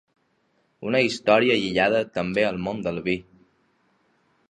Una història lligada també al món del vi.